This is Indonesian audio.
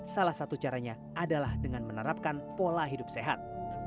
salah satu caranya adalah dengan menerapkan pola hidup sehat